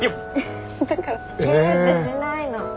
だからギュッてしないの。